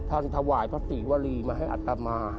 ถวายพระศรีวรีมาให้อัตมา